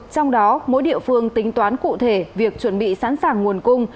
trong đó mỗi địa phương tính toán cụ thể việc chuẩn bị sẵn sàng nguồn cung